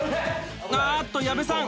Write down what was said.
あっと矢部さん